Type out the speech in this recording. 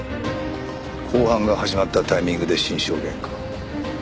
公判が始まったタイミングで新証言か。